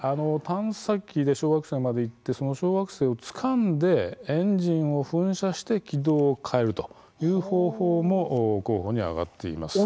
探査機で小惑星まで行ってその小惑星をつかんでエンジンを噴射して軌道を変えるという方法も候補に挙がっています。